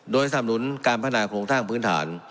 โดยสำนุนการพัฒนาโครงสร้างพื้นฐาน